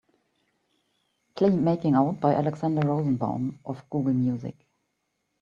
Play Making Out by Alexander Rosenbaum off Google Music.